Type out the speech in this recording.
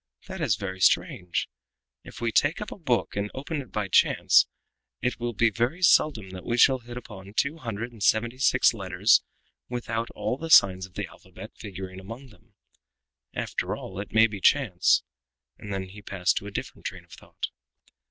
That is very strange. If we take up a book and open it by chance it will be very seldom that we shall hit upon two hundred and seventy six letters without all the signs of the alphabet figuring among them. After all, it may be chance," and then he passed to a different train of thought.